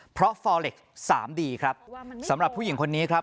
เพราะสามดีครับสำหรับผู้หญิงคนนี้ครับ